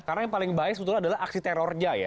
karena yang paling baes betul adalah aksi terornya ya